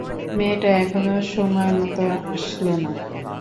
মেয়েটা এখনও সময়মতো আসলো না!